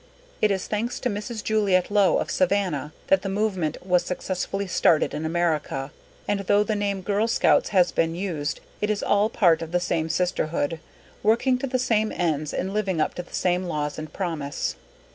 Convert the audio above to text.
_ _It is thanks to Mrs. Juliette Low, of Savannah, that the movement was successfully started in America, and though the name Girl Scouts has there been used it is all part of the same sisterhood, working to the same ends and living up to the same Laws and Promise.